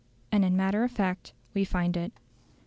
And in matter of fact we find it.